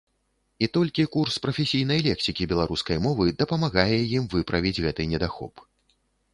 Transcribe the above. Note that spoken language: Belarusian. І толькі курс прафесійнай лексікі беларускай мовы дапамагае ім выправіць гэты недахоп.